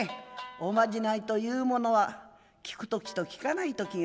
おまじないというものは効く時と効かない時がある。